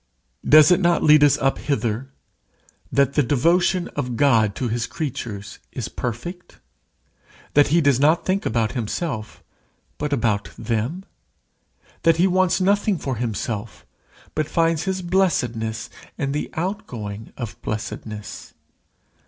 Does it not lead us up hither: that the devotion of God to his creatures is perfect? that he does not think about himself but about them? that he wants nothing for himself, but finds his blessedness in the outgoing of blessedness.